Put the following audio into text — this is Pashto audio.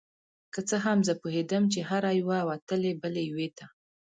که څه هم زه پوهیدم چې هره یوه وتلې بلې یوې ته